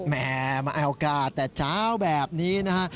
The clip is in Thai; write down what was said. แม่มาแอวกาศแต่เช้าแบบนี้นะฮะ